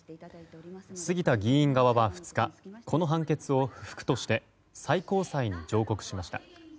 杉田議員側は２日この判決を不服として最高裁に上告しました。